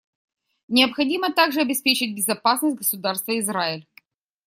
Необходимо также обеспечить безопасность Государства Израиль.